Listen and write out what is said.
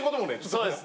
そうです。